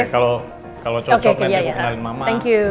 kalau cocok nanti aku kenalin mama